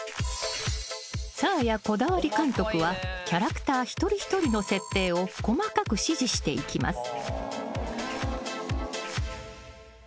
［サーヤこだわり監督はキャラクター一人一人の設定を細かく指示していきます］